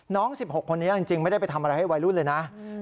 ๑๖คนนี้จริงไม่ได้ไปทำอะไรให้วัยรุ่นเลยนะ